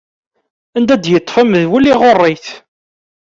Anda d-yeṭṭef amedwel, iɣuṛṛ-it.